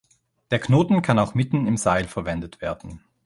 Der Knoten kann auch mitten im Seil verwendet werden.